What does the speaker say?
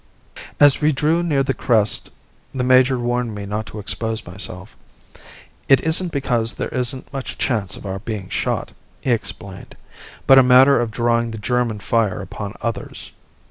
As we drew near the crest the major warned me not to expose myself. "It isn't because there is much chance of our being shot," he explained, "but a matter of drawing the German fire upon others."